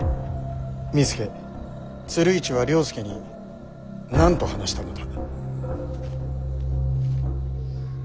巳助鶴市は了助に何と話したのだ？